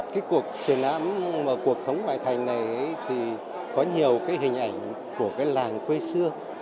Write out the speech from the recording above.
cái cuộc triển lãm mà cuộc sống ngoại thành này thì có nhiều cái hình ảnh của cái làng quê xưa